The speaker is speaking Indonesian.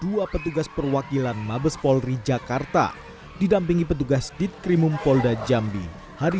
dua petugas perwakilan mabes polri jakarta didampingi petugas ditkrimum polda jambi hari